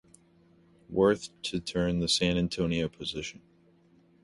Worth to turn the San Antonio position.